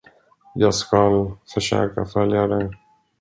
Jag skall försöka följa det.